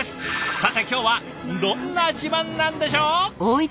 さて今日はどんな自慢なんでしょう。